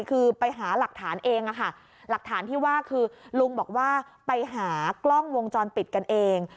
คือไปหาหลักฐานเองค่ะหลักฐานที่ว่าคือลุงบอกว่าไปหากล้องวงจรปิดกันเอง